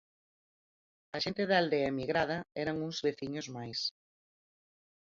A xente da aldea emigrada eran uns veciños máis.